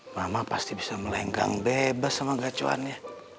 mama pasti bisa melenggang bebas sama gacuannya